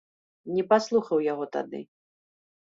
Не паслухаў яго тады.